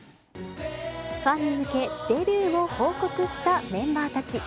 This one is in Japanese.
ファンに向け、デビューを報告したメンバーたち。